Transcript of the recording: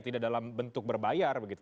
tidak dalam bentuk berbayar begitu